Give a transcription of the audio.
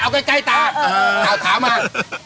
เอ้าเอาถามมา